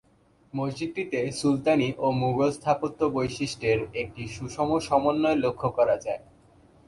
মসজিদটিতে সুলতানি ও মুগল স্থাপত্য বৈশিষ্ট্যের একটি সুষম সমন্বয় লক্ষ্য করা যায়।